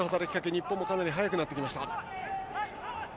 日本もかなり早くなってきた。